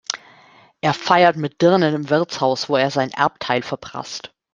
Er feiert mit Dirnen im Wirtshaus, wo er sein Erbteil verprasst.